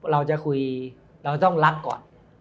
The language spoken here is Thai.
เราจะคุยเราต้องรักก่อน